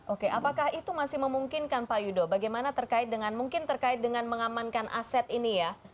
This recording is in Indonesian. oke apakah itu masih memungkinkan pak yudo bagaimana terkait dengan mungkin terkait dengan mengamankan aset ini ya